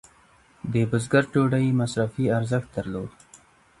د بزګر ډوډۍ مصرفي ارزښت درلود.